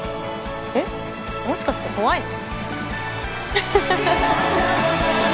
えっもしかして怖いの？